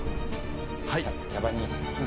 はい。